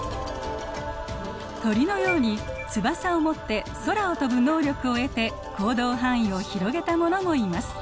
鳥のように翼を持って空を飛ぶ能力を得て行動範囲を広げたものもいます。